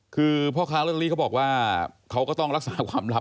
คือพ่อค้าลอตเตอรี่เขาบอกว่าเขาก็ต้องรักษาความลับ